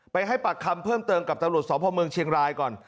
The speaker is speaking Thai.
ให้ปากคำเพิ่มเติมกับตำรวจสพเมืองเชียงรายก่อน